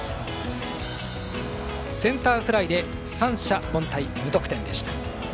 センターフライで三者凡退無得点でした。